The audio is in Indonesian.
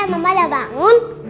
eh mama udah bangun